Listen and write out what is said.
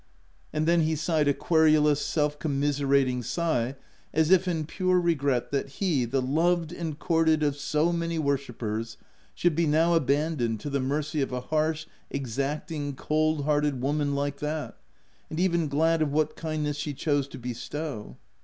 And then he sighed a querulous, self commiserating sigh, as if in pure regret that he, the loved and courted of so many worshippers, should be now abandoned to the mercy of a harsh, exacting, cold hearted woman like that, and even glad of what kindness she chose to bestow.